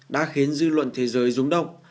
đã khiến dư luận thế giới rúng động